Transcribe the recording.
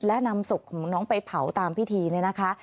และนำศพของน้องไปเผาตามพิธีเนี่ยนะคะ